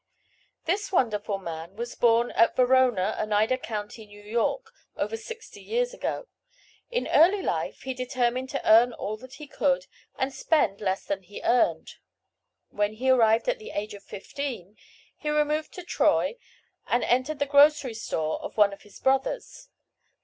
This wonderful man was born at Verona, Oneida County, New York, over sixty years ago. In early life, he determined to earn all that he could, and spend less than he earned. When he arrived at the age of fifteen, he removed to Troy, and entered the grocery store of one of his brothers.